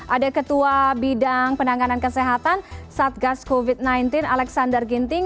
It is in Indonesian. ada ketua bidang penanganan kesehatan satgas covid sembilan belas alexander ginting